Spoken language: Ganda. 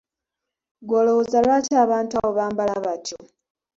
Ggwe olowooza lwaki abantu abo bambala batyo?